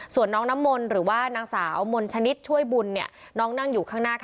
ส่วนน้องน้ำมนต์หรือนางสาวมลชนิดช่วยบุญ